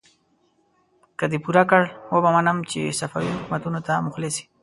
که دې پوره کړ، وبه منم چې صفوي حکومت ته مخلص يې!